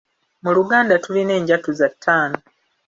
Mu Luganda tulina enjatuza ttaano.